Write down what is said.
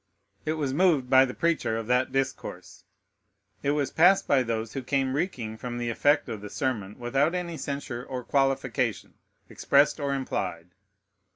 It was moved by the preacher of that discourse. It was passed by those who came reeking from the effect of the sermon, without any censure or qualification, expressed or implied.